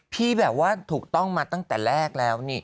พี่แบบว่าถูกต้องมาตั้งแต่แรกแล้วนี่